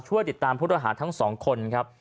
ช่วยติดตามผู้ต้องหาทั้งสองคนครับ